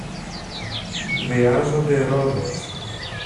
Χρειάζονται ρόδες.